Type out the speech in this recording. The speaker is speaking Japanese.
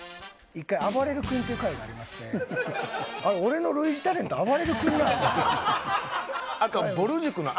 １回あばれる君という回がありまして俺の類似タレントあばれる君なの？